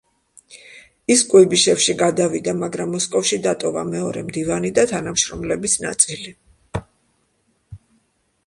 ის კუიბიშევში გადავიდა, მაგრამ, მოსკოვში დატოვა მეორე მდივანი და თანამშრომლების ნაწილი.